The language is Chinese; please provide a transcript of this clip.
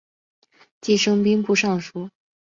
继升兵部尚书。